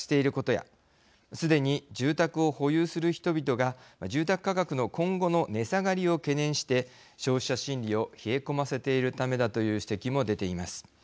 やすでに住宅を保有する人々が住宅価格の今後の値下がりを懸念して消費者心理を冷え込ませているためだという指摘も出ています。